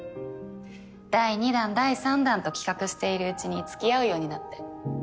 第２段第３段と企画しているうちにつきあうようになって。